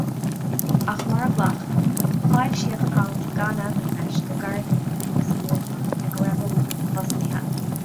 Ach mura ghlac, foilsíodh alt gan ainm leis go gairid ina dhiaidh sa nuachtán ag a raibh Ó Cuaig fostaithe.